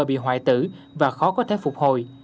bị hoại tử và khó có thể phục hồi